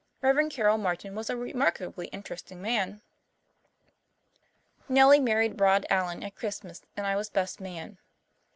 Rev. Carroll Martin was a remarkably interesting man. Nellie married Rod Allen at Christmas and I was best man.